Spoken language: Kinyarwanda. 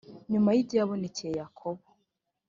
nyuma y ibyo yabonekeye yakobo